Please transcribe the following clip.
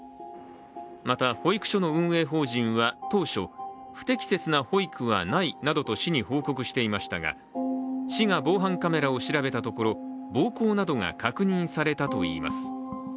また、保育所の運営法人は当初、不適切な保育はないなどと市に報告していましたが、市が防犯カメラを調べたところ暴行などが確認されたといいます。